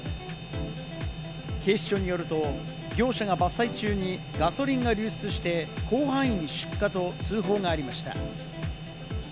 警視庁によると、業者が伐採中にガソリンが流出して広範囲に出火と通報がありました。